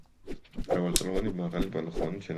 მრავალწლოვანი მაღალი ბალახოვანი მცენარეა.